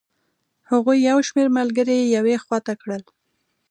هغوی یو شمېر ملګري یې یوې خوا ته کړل.